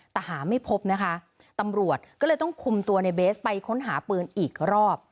แต่หาไม่พบนะคะตำรวจก็เลยต้องคุมตัวในเบสไปค้นหาปืนอีกรอบ